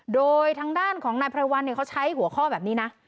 โดยทางด้านของนายไพรวัลเขาใช้หัวข้อแบบนี้นะ